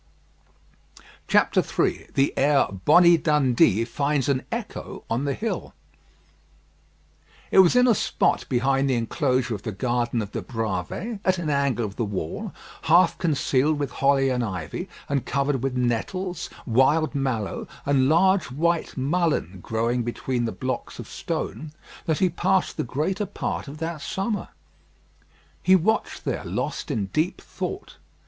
III THE AIR "BONNIE DUNDEE" FINDS AN ECHO ON THE HILL It was in a spot behind the enclosure of the garden of the Bravées, at an angle of the wall, half concealed with holly and ivy, and covered with nettles, wild mallow, and large white mullen growing between the blocks of stone, that he passed the greater part of that summer. He watched there, lost in deep thought.